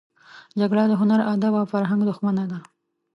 جګړه د هنر، ادب او فرهنګ دښمنه ده